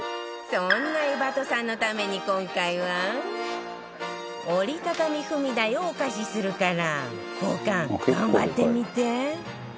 そんな江波戸さんのために今回は折り畳み踏み台をお貸しするから交換頑張ってみて